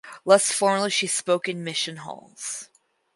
Less formally she spoke in mission halls.